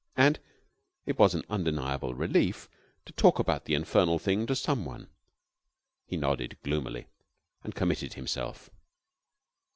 And it was an undeniable relief to talk about the infernal thing to some one. He nodded gloomily, and committed himself.